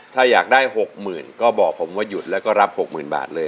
ถ้าอยากได้๖๐๐๐ก็บอกผมว่าหยุดแล้วก็รับ๖๐๐๐บาทเลย